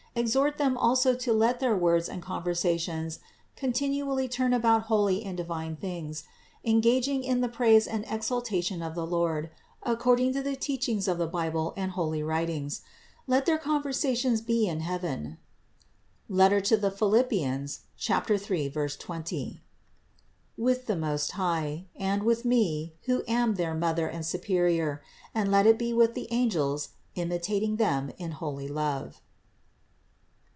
Exhort them also to let their words and conversations continually turn about holy and divine things, engaging in the praise and exaltation of the Lord according to the teachings of the Bible and holy writings. Let their conversations be in heaven (Philip 3, 20) with the Most High, and with me, who am their Mother and Superior, and let it be with the angels, imitating them in holy love.